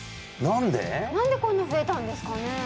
何でこんな増えたんですかね？